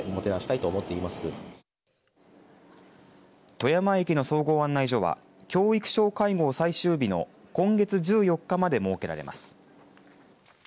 富山駅の総合案内所は教育相会合最終日の今月１４日まで設けられます。